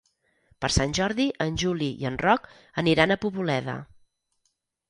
Per Sant Jordi en Juli i en Roc aniran a Poboleda.